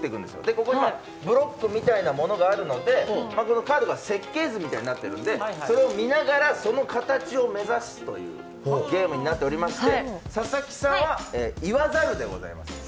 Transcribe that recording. ここにブロックみたいなものがあるので、このカードが設計図みたいになっているので、それを見ながら、その形を目指すというゲームになっておりまして、佐々木さんは言わざるでございます。